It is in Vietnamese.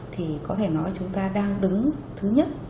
thì có thể nói chúng ta đang đứng thứ nhất